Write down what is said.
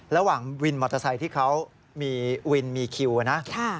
ระหว่างวินมอเตอร์ไซค์ที่เขามีวินมีคิวนะ